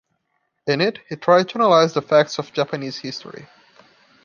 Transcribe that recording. In it he tried to analyze the facts of Japanese history.